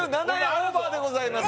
オーバーでございます